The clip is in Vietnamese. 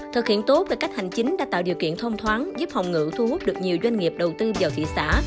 thực hiện tốt về cách hành chính đã tạo điều kiện thông thoáng giúp hồng ngự thu hút được nhiều doanh nghiệp đầu tư vào thị xã